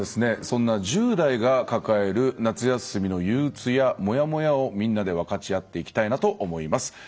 そんな１０代が抱える夏休みのゆううつやもやもやをみんなで分かち合っていきたいなと思います。